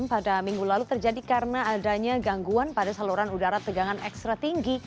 pada minggu lalu terjadi karena adanya gangguan pada saluran udara tegangan ekstra tinggi